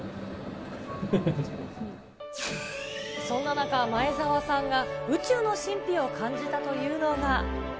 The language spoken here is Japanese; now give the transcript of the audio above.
そんな中、前澤さんが宇宙の神秘を感じたというのが。